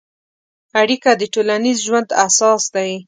اړیکه د ټولنیز ژوند اساس دی.